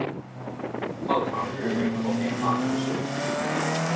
奥唐日人口变化图示